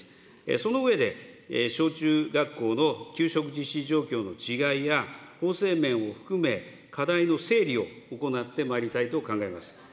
その上で、小中学校の給食実施状況の違いや、法制面を含め、課題の整理を行ってまいりたいと考えます。